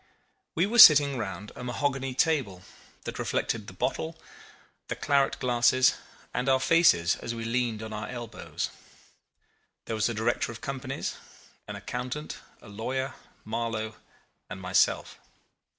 We were sitting round a mahogany table that reflected the bottle, the claret glasses, and our faces as we leaned on our elbows. There was a director of companies, an accountant, a lawyer, Marlow, and myself.